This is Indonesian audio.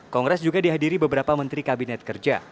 kongres juga dihadiri beberapa menteri kabinet kerja